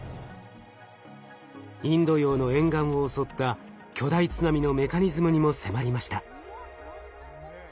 インド洋の沿岸を襲った巨大津波のメカニズムにも迫りました。